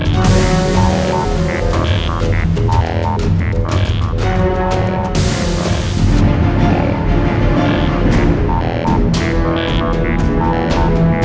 sampai jumpa di video selanjutnya